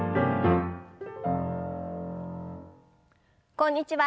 こんにちは。